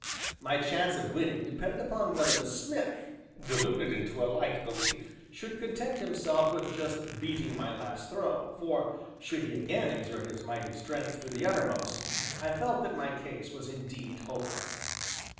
My chance of winning depended upon whether the smith, deluded into a like belief, should content himself with just beating my last throw, for, should he again exert his mighty strength to the uttermost, I felt that my case was indeed hopeless.